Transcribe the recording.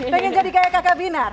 pengen jadi kayak kakak binar